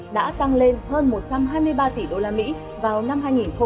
đã tăng lên hơn một trăm hai mươi ba tỷ đô la mỹ vào năm hai nghìn hai mươi hai